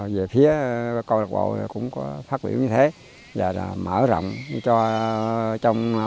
về phía công lực bộ cũng có phát biểu như thế và mở rộng cho trong bốn mươi sáu hộ